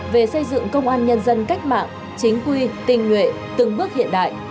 về xây dựng công an nhân dân cách mạng chính quy tình nguyện từng bước hiện đại